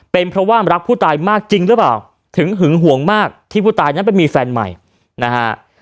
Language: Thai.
เป็นเพราะว่ารักผู้ตายมากจริงหรือเปล่าถึงหึงห่วงมากที่ผู้ตายนั้นไปมีแฟนใหม่นะฮะ